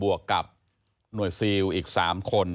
วกกับหน่วยซิลอีก๓คน